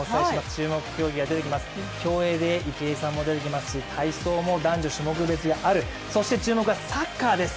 注目競技が出てきます、競泳で池江さんも出てきますし、体操も男女種目別がある、そして注目はサッカーです。